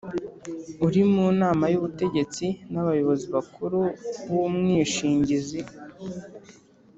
uri mu nama y’ubutegetsi n’abayobozi bakuru b’umwishingizi